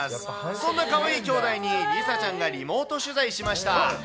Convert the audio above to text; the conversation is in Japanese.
そんなかわいい兄弟に、梨紗ちゃんがリモート取材しました。